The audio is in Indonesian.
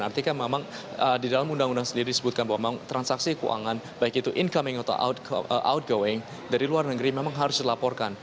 artinya memang di dalam undang undang sendiri disebutkan bahwa transaksi keuangan baik itu income atau outgoing dari luar negeri memang harus dilaporkan